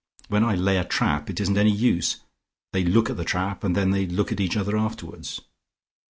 When I lay a trap, it isn't any use: they look at the trap, and then they look at each other afterwards."